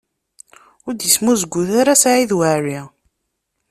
Ur d-isemuzgut ara Saɛid Waɛli.